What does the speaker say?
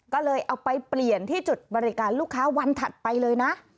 ก็เลยเอาไปเปลี่ยนที่จุดบริการลูกค้าวันถัดไปเลยนะ